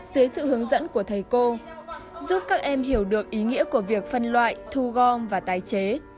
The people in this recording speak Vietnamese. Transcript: dưới sự hướng dẫn của thầy cô giúp các em hiểu được ý nghĩa của việc phân loại thu gom và tái chế